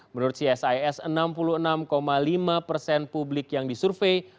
menurut csis enam puluh enam lima persen publik yang disurvey